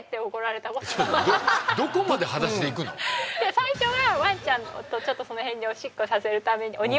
最初はワンちゃんをちょっとその辺でおしっこさせるためにお庭